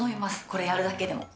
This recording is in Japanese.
これやるだけでも。